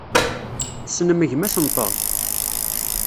Tessnem gma-s n Tom?